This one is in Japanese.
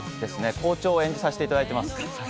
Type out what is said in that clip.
校長を演じさせていただいております。